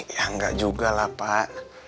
ya enggak juga lah pak